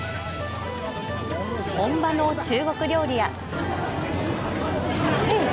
本場の中国料理や。